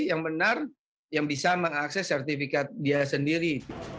yang benar yang bisa mengakses sertifikat dia sendiri